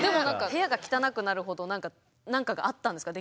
部屋が汚くなるほどなんかがあったんですか？